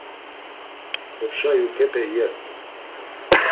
Opşa yuǩepe iyert̆u.